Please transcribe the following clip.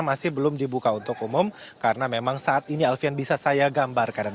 masih belum dibuka untuk umum karena memang saat ini alfian bisa saya gambarkan dan